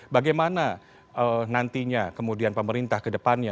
bagaimana nantinya kemudian pemerintah ke depannya